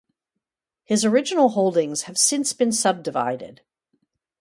His original holdings have since been subdivided.